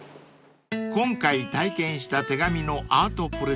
［今回体験した手紙のアートプロジェクト］